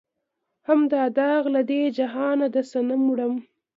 هم دا داغ لۀ دې جهانه د صنم وړم